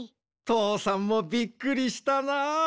とうさんもびっくりしたなあ。